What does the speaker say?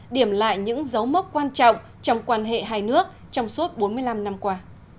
điểm lại những dấu mốc quan trọng trong quan hệ hai nước trong suốt bốn mươi năm năm qua